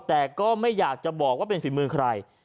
แต่ก็ไม่อยากจะบอกว่าเป็นฝีมือใคร